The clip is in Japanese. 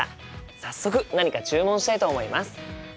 早速何か注文したいと思います！